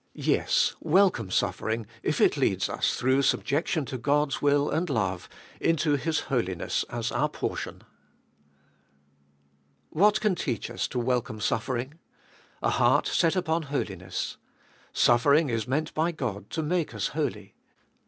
Yes, welcome suffering, if it leads us, through subjection to God's will and love, into His holiness as our portion. 1. What can teach us to welcome suffering ? A heart set upon holiness. Suffering is meant by God to make us holy.